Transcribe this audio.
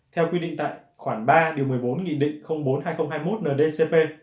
theo quy định tại khoảng ba một mươi bốn bốn hai nghìn hai mươi một ndcp